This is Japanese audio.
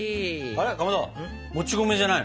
あれかまどもち米じゃないの？